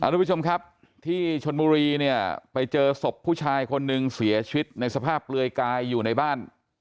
ทุกผู้ชมครับที่ชนบุรีเนี่ยไปเจอศพผู้ชายคนนึงเสียชีวิตในสภาพเปลือยกายอยู่ในบ้าน